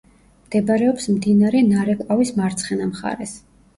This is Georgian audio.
მდებარეობს მდინარე ნარეკვავის მარცხენა მხარეს.